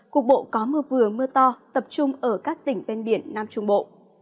cục bộ có mưa vừa mưa to tập trung ở các tỉnh ven biển nam trung bộ